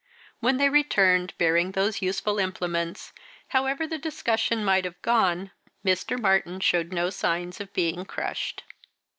When they returned, bearing those useful implements, however the discussion might have gone, Mr. Martyn showed no signs of being crushed.